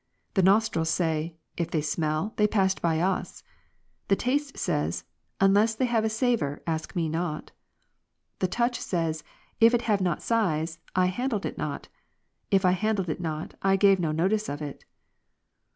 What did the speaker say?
The nostrils say, " if they smell, they passed by us." The taste says, " unless they have a savour, ask me not." The touch says, " if it have not size, I handled it not ; if I handled it not, I gave no notice of it."